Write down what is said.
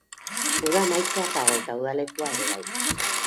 Uda amaitzear dago eta udalekua ere bai.